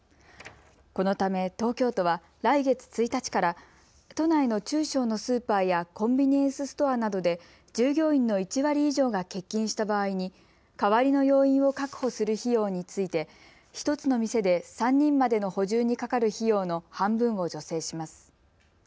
このため東京都は来月１日から都内の中小のスーパーやコンビニエンスストアなどで従業員の１割以上が欠勤した場合に代わりの要員を確保する費用について１つの店で３人までの補充にかかる費用の半分を助成します。